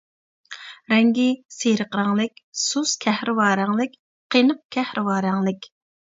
رەڭگى: سېرىق رەڭلىك، سۇس كەھرىۋا رەڭلىك، قېنىق كەھرىۋا رەڭلىك.